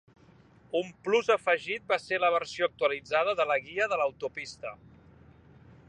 Un plus afegit va ser la versió actualitzada de la "Guia de l'autopista".